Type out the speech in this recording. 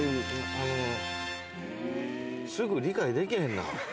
あの、すぐ理解できへんな。